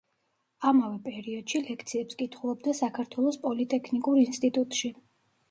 ამავე პერიოდში ლექციებს კითხულობდა საქართველოს პოლიტექნიკურ ინსტიტუტში.